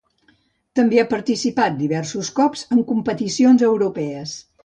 També ha participat diversos cops en competicions europees.